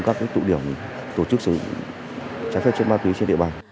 các tụ điểm tổ chức sử dụng trái phép chất ma túy trên địa bàn